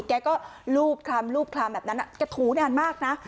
ก็รูปคลามรูปคลามแบบนั้นนะกระถูนานมากนะ